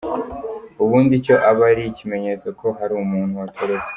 Ubundi icyo aba ari ikimenyetso ko hari umuntu watorotse.